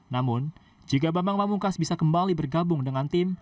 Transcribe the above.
namun jika bambang pamungkas bisa kembali bergabung dengan tim